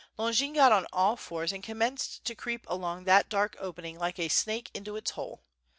Longin got on all fours and commenced to creep along that dark opening like a snake into its hole.